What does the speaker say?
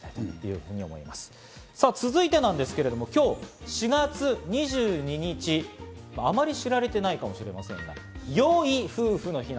さぁ、続いてなんですが今日４月２２日、あまり知られていないかもしれませんが、よい夫婦の日。